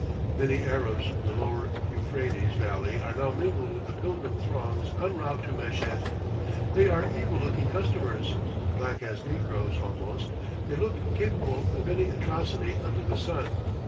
Many Arabs from the Lower Euphrates valley are now mingled with the pilgrim throngs en route to Meshed. They are evil looking customers, black as negroes almost; they look capable of any atrocity under the sun.